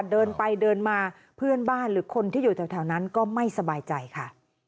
เดินไปเดินมาเพื่อนบ้านหรือคนที่อยู่แถวนั้นก็ไม่สบายใจค่ะ